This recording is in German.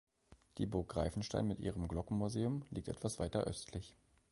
Die Burg Greifenstein mit ihrem Glockenmuseum liegt etwas weiter östlich.